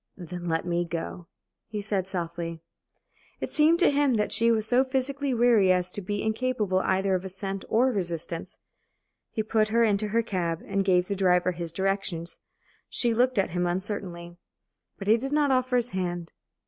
"Then let me go," he said, softly. It seemed to him that she was so physically weary as to be incapable either of assent or resistance. He put her into her cab, and gave the driver his directions. She looked at him uncertainly. But he did not offer his hand.